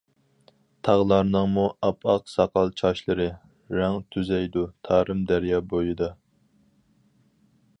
تاغلارنىڭمۇ ئاپئاق ساقال-چاچلىرى، رەڭ تۈزەيدۇ تارىم دەريا بويىدا.